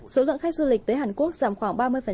số lượng khách du lịch tới hàn quốc giảm khoảng ba mươi